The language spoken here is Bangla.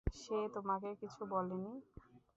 সে তোমাকে কিছু বলে নি?